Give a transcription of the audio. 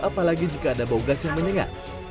apalagi jika ada bau gas yang menyengat